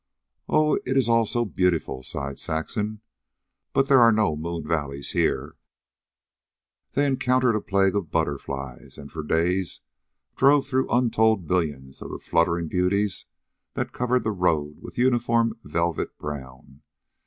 "Oh, it is all so beautiful," sighed Saxon. "But there are no moon valleys here." They encountered a plague of butterflies, and for days drove through untold millions of the fluttering beauties that covered the road with uniform velvet brown.